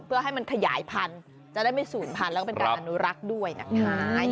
เพื่อให้มันขยายพันธุ์จะได้ไม่ศูนย์พันธุ์แล้วก็เป็นการอนุรักษ์ด้วยนะคะ